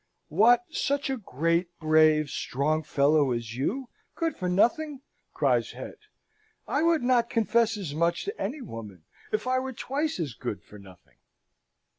"What, such a great, brave, strong fellow as you good for nothing?" cries Het. "I would not confess as much to any woman, if I were twice as good for nothing!"